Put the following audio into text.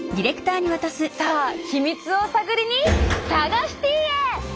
さあ秘密を探りに佐賀シティーへ！